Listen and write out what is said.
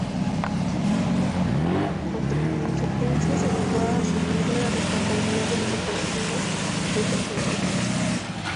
Contrainsurgencia, se negó a asumir la responsabilidad de las operaciones de contrainsurgencia.